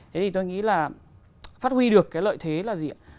thế thì tôi nghĩ là phát huy được cái lợi thế là gì ạ